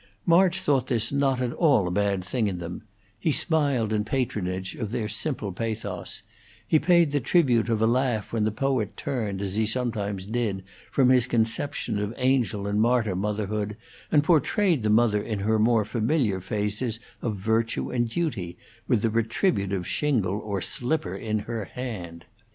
March thought this not at all a bad thing in them; he smiled in patronage of their simple pathos; he paid the tribute of a laugh when the poet turned, as he sometimes did, from his conception of angel and martyr motherhood, and portrayed the mother in her more familiar phases of virtue and duty, with the retributive shingle or slipper in her hand.